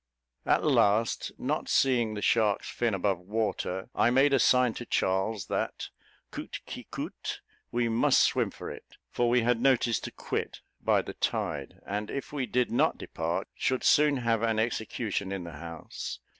At last, not seeing the shark's fin above water, I made a sign to Charles that, coûte qui coûte, we must swim for it; for we had notice to quit, by the tide; and if we did not depart, should soon have an execution in the house.